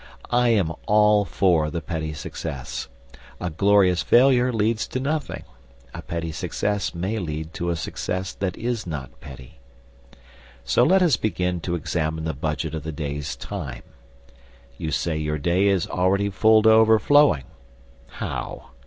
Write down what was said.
I am all for the petty success. A glorious failure leads to nothing; a petty success may lead to a success that is not petty. So let us begin to examine the budget of the day's time. You say your day is already full to overflowing. How?